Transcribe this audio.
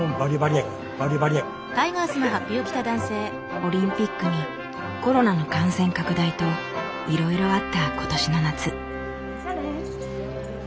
オリンピックにコロナの感染拡大といろいろあった今年の夏。